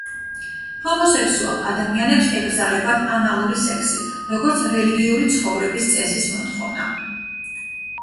ჰომოსექსუალ ადამიანებს ეკრძალებათ ანალური სექსი, როგორც რელიგიური ცხოვრების წესის მოთხოვნა.